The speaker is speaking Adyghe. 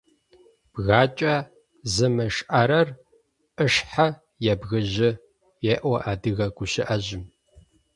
«Бгакӏэ зымышӏэрэр ышъхьэ ебгыжьы» еӏо адыгэ гущыӏэжъым.